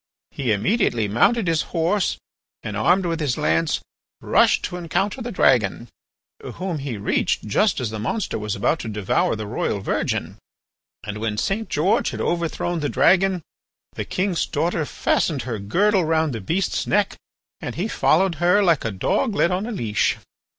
He immediately mounted his horse, and, armed with his lance, rushed to encounter the dragon, whom he reached just as the monster was about to devour the royal virgin. And when St. George had overthrown the dragon, the king's daughter fastened her girdle round the beast's neck and he followed her like a dog led on a leash.